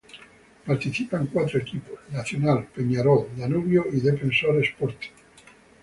Participan cuatro equipos: Nacional, Peñarol, Danubio y Defensor Sporting.